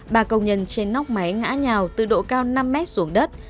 bà công nhân trên nóc máy ngã nhào từ độ cao năm m xuống đất